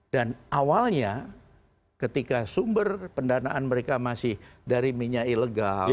dan awalnya ketika sumber pendanaan mereka masih dari minyak ilegal